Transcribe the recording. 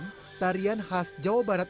jenis perenakan yang terkenal di jawa barat